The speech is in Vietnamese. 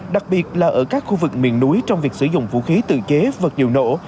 đặc biệt là ở các khu vực miền núi trong việc sử dụng vũ khí tự chế vật liệu nổ